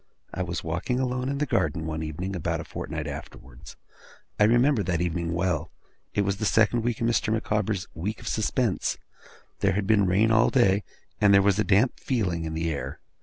I was walking alone in the garden, one evening, about a fortnight afterwards. I remember that evening well. It was the second in Mr. Micawber's week of suspense. There had been rain all day, and there was a damp feeling in the air.